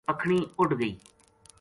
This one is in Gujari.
پکھنی اُڈ گئی